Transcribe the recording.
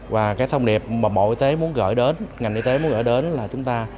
và cái thông điệp mà bộ y tế muốn gửi đến ngành y tế muốn gửi đến là chúng ta